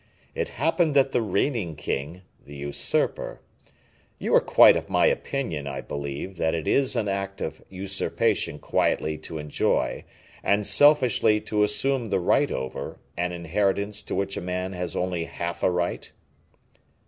It happened that the reigning king, the usurper you are quite of my opinion, I believe, that it is an act of usurpation quietly to enjoy, and selfishly to assume the right over, an inheritance to which a man has only half a right?"